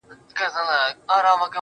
هغې د ژوند د ماهيت خبره پټه ساتل,